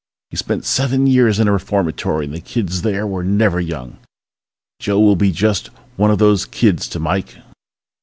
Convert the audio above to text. He spent seven years in a reformatory and the kids there were never young. Joe will be just one of those kids to Mike